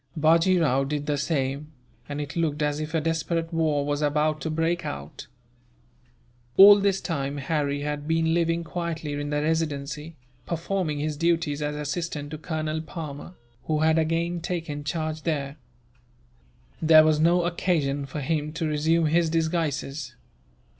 Bajee Rao did the same, and it looked as if a desperate war was about to break out. All this time, Harry had been living quietly in the Residency, performing his duties as assistant to Colonel Palmer, who had again taken charge there. There was no occasion for him to resume his disguises.